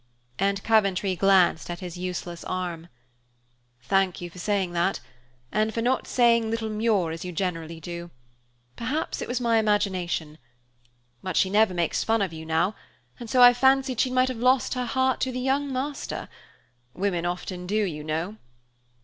And Coventry glanced at his useless arm. "Thank you for that, and for not saying 'little Muir,' as you generally do. Perhaps it was my imagination. But she never makes fun of you now, and so I fancied she might have lost her heart to the 'young master.' Women often do, you know."